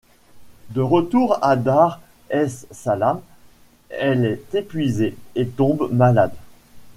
De retour à dar es-Salaam, elle est épuisée et tombe malade.